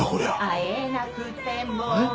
「会えなくても」えっ？